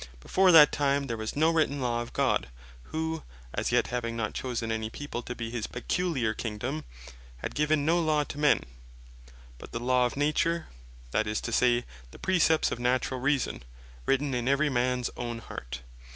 Before that time there was no written Law of God, who as yet having not chosen any people to bee his peculiar Kingdome, had given no Law to men, but the Law of Nature, that is to say, the Precepts of Naturall Reason, written in every mans own heart.